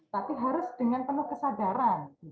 tapi harus dengan penuh kesadaran